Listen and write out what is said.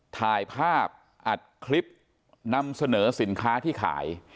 ถ่ายภาพอัดคลิปนำเสนอสินค้าที่ขาย